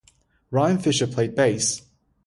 Ryan Fisher played bass.